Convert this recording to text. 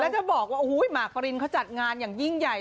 แล้วจะบอกว่าหมากปรินเขาจัดงานอย่างยิ่งใหญ่